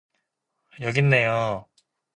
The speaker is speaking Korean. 여깄네요.